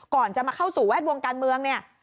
ก่อนจะมาเข้าสู่แวดวงการเมืองเนี่ย